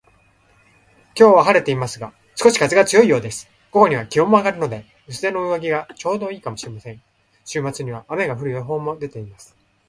今日は晴れていますが、少し風が強いようです。午後には気温も上がるので、薄手の上着がちょうど良いかもしれません。週末には雨が降る予報も出ています